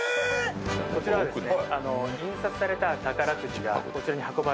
こちらはですね。